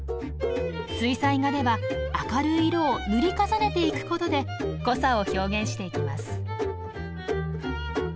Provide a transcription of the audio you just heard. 水彩画では明るい色を塗り重ねていくことで濃さを表現していきます。